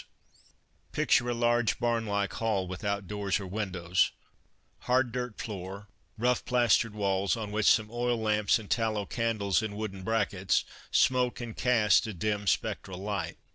THE PASTORES Picture a large barn like hall without doors or windows, hard dirt floor, rough plastered walls on which some oil lamps and tallow candles in wooden brackets smoke and cast a dim spectral light.